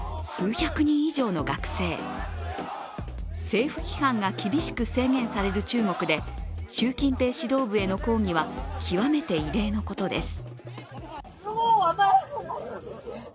政府批判が厳しく制限される中国で習近平指導部への抗議は極めて異例のことです。